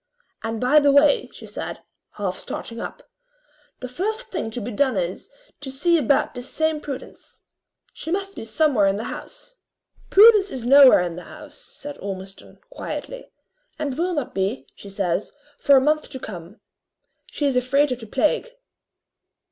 And by the way," she said, half starting up, "the first thing to be done is, to see about this same Prudence. She must be somewhere in the house." "Prudence is nowhere in the house," said Ormiston, quietly; "and will not be, she says, far a month to come. She is afraid of the plague."